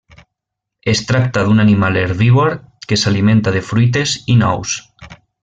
Es tracta d'un animal herbívor que s'alimenta de fruites i nous.